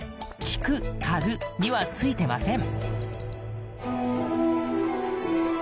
「聞く」「嗅ぐ」にはついてません。